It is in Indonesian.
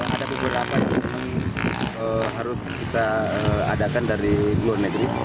ada beberapa yang harus kita adakan dari luar negeri